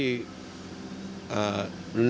รุนแรงร้อนสักหน่อย